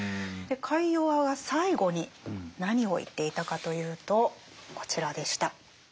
カイヨワは最後に何を言っていたかというとこちらでした。